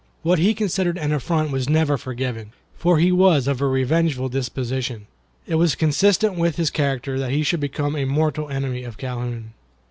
What he considered an affront was never forgiven, for he was of a revengeful disposition. It was consistent with his character that he should become a mortal enemy of Calhoun.